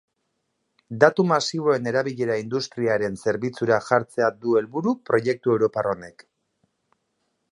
Datu masiboen erabilera industriaren zerbitzura jartzea du helburu proiektu europar honek.